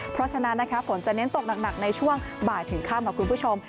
เพราะฉะนั้นนะคะฝนจะเน้นตกหนักในช่วงบ่ายถึงค่ำค่ะคุณผู้ชม